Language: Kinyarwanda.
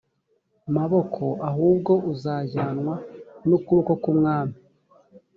maboko ahubwo uzajyanwa n ukuboko k umwami